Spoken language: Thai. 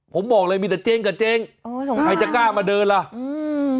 ผมบอกเลยมีแต่เจ๊งกับเจ๊งโอ้สงสัยใครจะกล้ามาเดินล่ะอืม